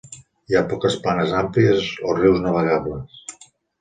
Hi ha poques planes àmplies o rius navegables.